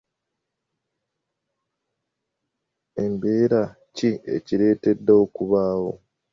Mbeera ki ekiretedde okubaawo?